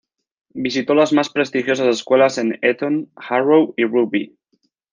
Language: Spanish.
Visitó las más prestigiosas escuelas, en Eton, Harrow, y Rugby.